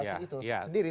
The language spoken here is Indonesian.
yang lebih luas itu sendiri